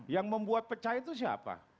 yang membuat pecah itu siapa